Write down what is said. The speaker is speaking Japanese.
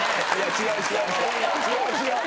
違う違う。